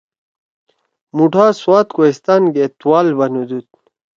مُوٹھا سوات کوہستان گے ”تُوال“ بنُودُود۔